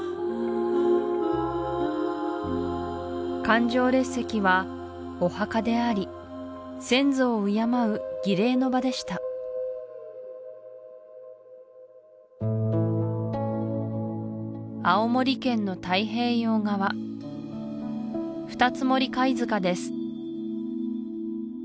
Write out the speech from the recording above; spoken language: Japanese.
環状列石はお墓であり先祖を敬う儀礼の場でした青森県の太平洋側二ツ森貝塚です